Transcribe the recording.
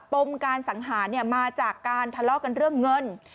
ปมการสังหารมาจากการทะเลาะกันเรื่องเงิน